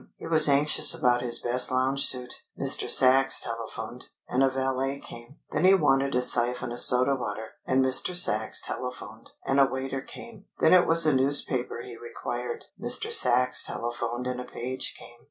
He was anxious about his best lounge suit. Mr. Sachs telephoned, and a valet came. Then he wanted a siphon of soda water, and Mr. Sachs telephoned, and a waiter came. Then it was a newspaper he required. Mr. Sachs telephoned and a page came.